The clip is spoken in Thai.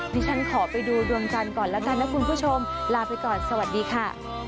ดิฉันขอไปดูดวงจันทร์ก่อนแล้วกันนะคุณผู้ชมลาไปก่อนสวัสดีค่ะ